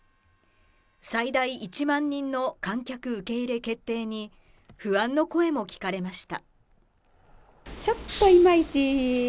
最大１万人の観客受け入れ決定に不安の声も聞かれました。